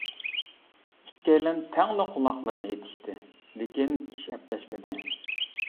ئىككىيلەن تەڭلا قۇلاقلىرىنى ئېتىشتى، لېكىن ئىش ئەپلەشمىدى.